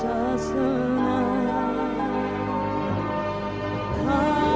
kau ku banggakan